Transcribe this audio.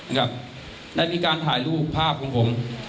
นะครับในวิการถ่ายรูปภาพของผม